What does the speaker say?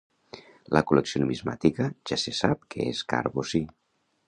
La col·lecció numismàtica ja se sap que és car bocí